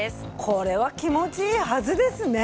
これは気持ちいいはずですね。